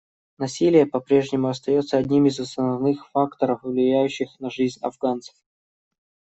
Насилие по-прежнему остается одним из основных факторов, влияющих на жизнь афганцев.